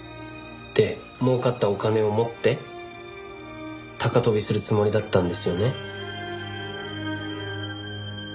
で儲かったお金を持って高飛びするつもりだったんですよね？